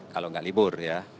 kalau nggak libur ya